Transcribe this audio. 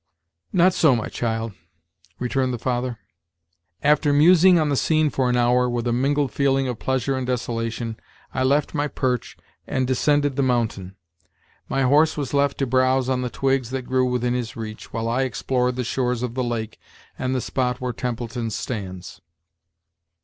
"Not so, my child," returned the father. "After musing on the scene for an hour, with a mingled feeling of pleasure and desolation, I left my perch and descended the mountain. My horse was left to browse on the twigs that grew within his reach, while I explored the shores of the lake and the spot where Templeton stands.